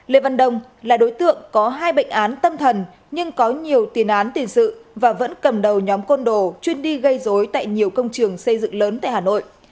lê văn đông là đối tượng có hai bệnh án tâm thần nhưng có nhiều tiền án tiền sự và vẫn cầm đầu nhóm côn đồ chuyên đi gây dối tại nhiều công trường xây dựng lớn tại hà nội